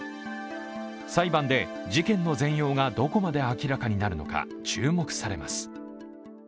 裁判で事件の全容がどこまで明らかになるのか注目されます。